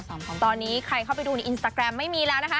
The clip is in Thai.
ตอนนี้ใครเข้าไปดูในอินสตาแกรมไม่มีแล้วนะคะ